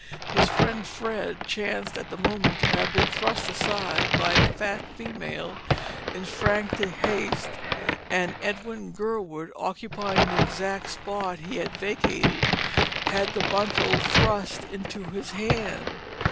His friend Fred chanced at that moment to have been thrust aside by a fat female in frantic haste and Edwin Gurwood, occupying the exact spot he had vacated, had the bundle thrust into his hand.